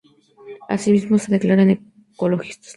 Asimismo, se declaran ecologistas.